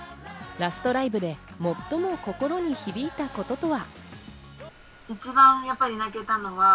ラストライブで最も心に響いたこととは？